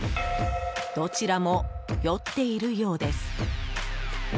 どちらも酔っているようです。